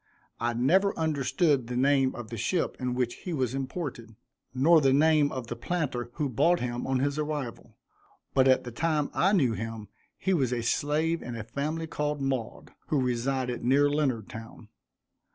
I never understood the name of the ship in which he was imported, nor the name of the planter who bought him on his arrival, but at the time I knew him he was a slave in a family called Maud, who resided near Leonardtown.